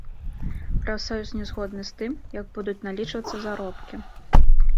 Прафсаюз не згодны з тым, як будуць налічвацца заробкі.